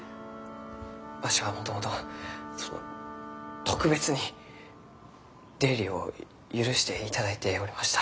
わしはもともとその特別に出入りを許していただいておりました。